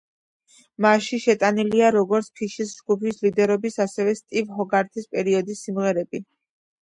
მასში შეტანილია როგორც ფიშის ჯგუფში ლიდერობის, ასევე სტივ ჰოგართის პერიოდის სიმღერები.